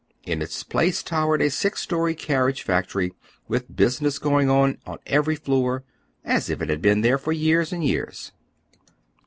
In its place towered a six story carriage factoiy with busi ness going on on every floor, as if it had been there for years and years.